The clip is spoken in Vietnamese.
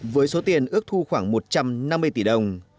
với số tiền ước thu khoảng một trăm năm mươi tỷ đồng